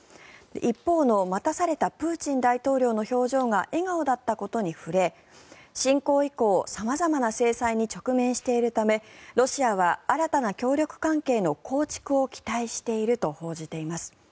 一方の待たされたプーチン大統領の表情が笑顔だったことに触れ侵攻以降様々な制裁に直面しているためロシアは新たな協力関係の構築を期待していると報じています。